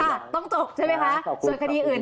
ต้องจบใช่ไหมคะส่วนคดีอื่น